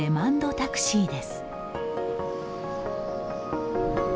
タクシーです。